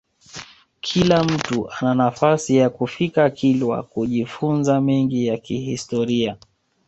Kila mtu ana nafasi ya kufika kilwa kujifunza mengi ya kihistoria